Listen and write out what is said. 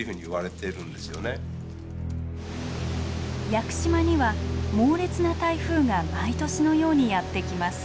屋久島には猛烈な台風が毎年のようにやって来ます。